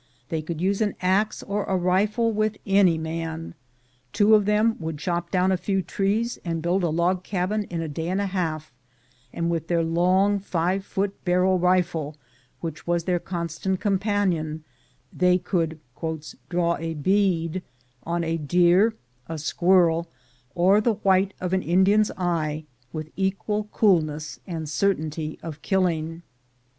They could use an ax or a rifle with any man. Two of them would chop down a few trees and build a log cabin in a day and a half, and with their long five foot barrel rifle, which was their con stant companion, they could "draw a bead" on a deer, a squirrel, or the white of an Indian's eye, with equal coolness and certainty of killing.